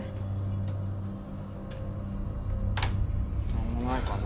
何もないかな？